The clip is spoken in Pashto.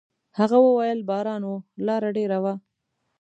هغه وويل: «باران و، لاره ډېره وه.»